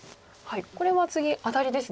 これは次アタリですね。